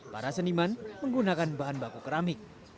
para seniman menggunakan bahan baku keramik